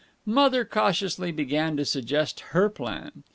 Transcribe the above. Mother cautiously began to suggest her plan.